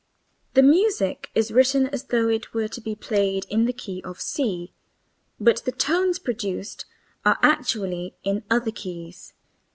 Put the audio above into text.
The music is written as though it were to be played in the key of C, but the tones produced are actually in other keys.